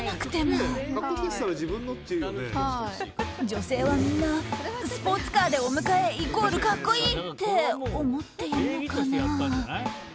女性はみんなスポーツカーでお迎えイコール格好いいって思っているのかな。